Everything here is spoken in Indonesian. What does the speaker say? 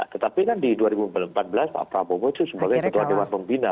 tetapi kan di dua ribu empat belas pak prabowo itu sebagai ketua dewan pembina